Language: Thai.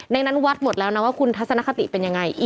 ดังนั้นวัดหมดแล้วนะว่าคุณทัศนคติเป็นยังไง